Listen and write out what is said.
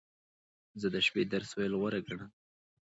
زه د شپې درس ویل غوره ګڼم.